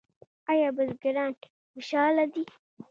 آیا بزګران خوشحاله دي؟